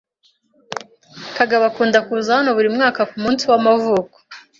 Kagabo akunda kuza hano buri mwaka kumunsi w'amavuko.